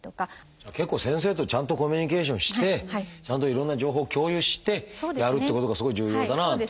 じゃあ結構先生とちゃんとコミュニケーションしてちゃんといろんな情報を共有してやるってことがすごい重要だなという。